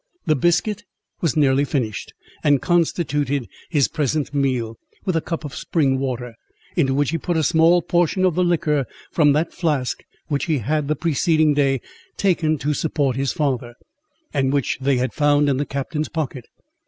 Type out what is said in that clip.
The biscuit was nearly finished, and constituted his present meal, with a cup of spring water, into which he put a small portion of the liquor from that flask which he had, the preceding day, taken to support his father, and which they had found in the captain's pocket.